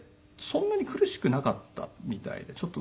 そんなに苦しくなかったみたいで。